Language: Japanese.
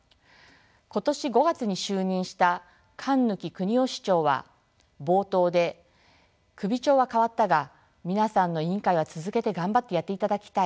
今年５月に就任した関貫久仁郎市長は冒頭で「首長は変わったが皆さんの委員会は続けて頑張ってやっていただきたい。